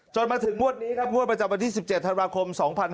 มาถึงงวดนี้ครับงวดประจำวันที่๑๗ธันวาคม๒๕๖๒